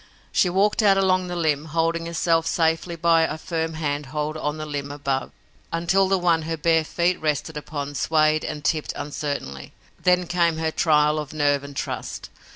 She walked out along the limb, holding herself safely by a firm hand hold on the limb above, until the one her bare feet rested upon swayed and tipped uncertainly. Then came her time of trial of nerve and trust.